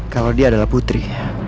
kalau dia adalah putri